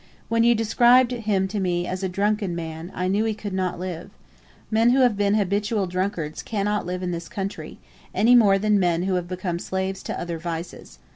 When you described him to me as a drunken man, I knew he could not live. Men who have been habitual drunkards cannot live in this country, any more than men who have become slaves to other vices.